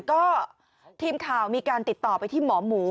ก็ทีมข่าวมีการติดต่อไปที่หมอหมู